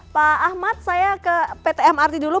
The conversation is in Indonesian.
pak ahmad saya ke pt mrt dulu